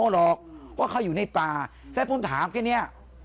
เพราะเขาอยู่ในป่าแล้วผมถามแค่นี้